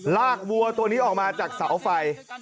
วัวตัวนี้ออกมาจากเสาไฟ